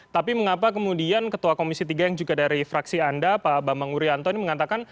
tapi mengapa kemudian ketua komisi tiga yang juga dari fraksi anda pak bambang urianto ini mengatakan